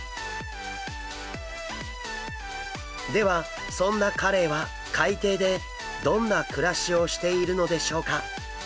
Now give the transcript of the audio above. ではそんなカレイは海底でどんな暮らしをしているのでしょうか？